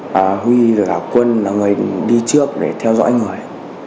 long huy và quân là người đi trước để theo dõi người